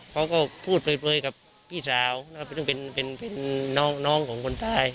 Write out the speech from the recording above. เขาก็พูดเปรย์กับพี่สาวเป็นน้องของคนตาย